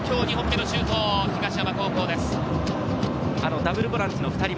ダブルボランチの２人も。